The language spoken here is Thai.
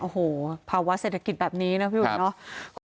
โอ้โหภาวะเศรษฐกิจแบบนี้นะพี่อุ๋ยเนาะ